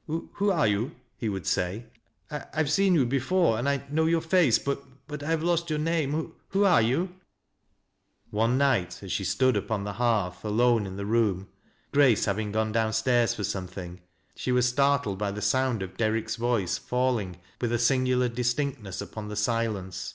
" Who are you ?" he would say. " I have seen you before, and I know your face ; but — ^but I have lost youi name. Who are you ?" One night, as she stood iipon the hearth, alone in th« room, — Grace having gone down stairs for something, ' WATOHINQ AND WAITING. 241 she flras etarlled by the sound of Derrick's vcice falling with a singular distinctness upon the silence.